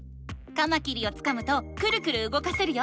カマキリをつかむとクルクルうごかせるよ。